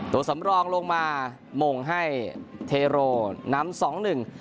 ตัวสำรองลงมามงให้เทโรนำสองหนึ่ง